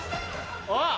あっ！